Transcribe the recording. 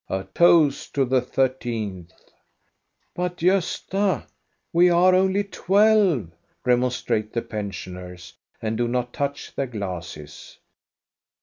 A toast to the thirteenth!" " But, Gosta, we are only twelve," remonstrate the pensioners, and do not touch their glasses.